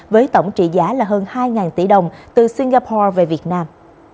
với tổng trị giá là hơn hai tỷ đồng từ singapore về việt nam